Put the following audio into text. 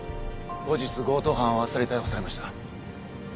後日強盗犯はあっさり逮捕されました。